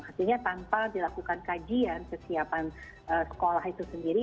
artinya tanpa dilakukan kajian kesiapan sekolah itu sendiri